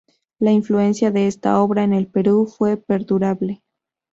La influencia de esta obra en el Perú fue perdurable.